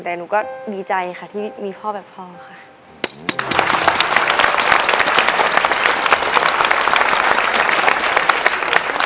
แต่หนูก็ดีใจค่ะที่มีพ่อแบบพ่อค่ะ